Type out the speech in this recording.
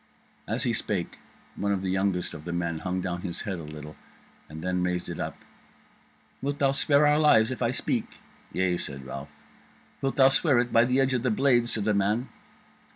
As he spake, one of the youngest of the men hung down his head a little, and then raised it up: "Wilt thou spare our lives if I speak?" "Yea," said Ralph. "Wilt thou swear it by the edge of the blade?" said the man.